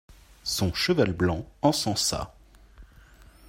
Son cheval blanc encensa.